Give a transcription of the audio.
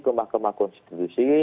ke mahkamah konstitusi